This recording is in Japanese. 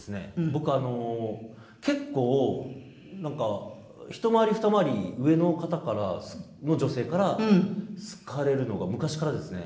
僕あの結構なんかひと回りふた回り上の方からの女性から好かれるのが昔からですね。